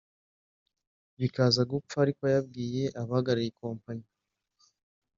bikaza gupfa ariko yabwira abahagarariye kompanyi